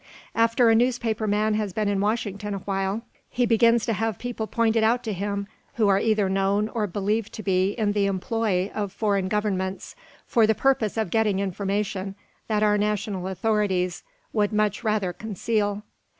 "After a newspaper man has been in Washington a while he begins to have people pointed out to him who are either known or believed to be in the employ of foreign governments for the purpose of getting information that our national authorities would much rather conceal."